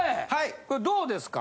これどうですか？